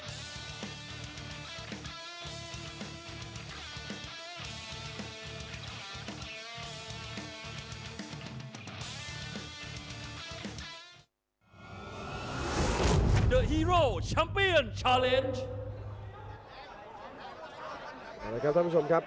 ครับท่านผู้ชมครับ